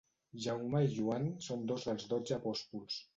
Jaume i Joan són dos dels dotze apòstols.